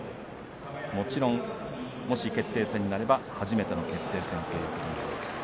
もちろんもし決定戦になれば初めての決定戦ということになります。